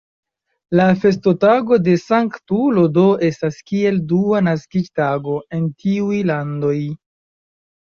La festotago de Sanktulo do estas kiel dua naskiĝtago, en tiuj landoj.